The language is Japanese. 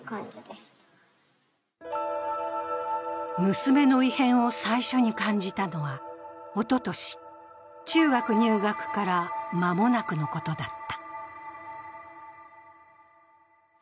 娘の異変を最初に感じたのはおととし、中学入学から間もなくのことだった。